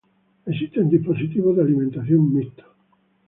Existen dispositivos de alimentación mixtos.